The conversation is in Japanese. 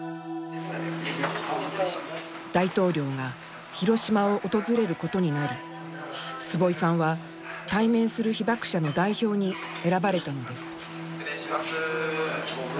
大統領が広島を訪れることになり坪井さんは、対面する被爆者の代表に選ばれたのです。